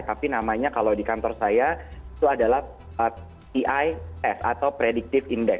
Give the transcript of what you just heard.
tapi namanya kalau di kantor saya itu adalah pis atau predictive index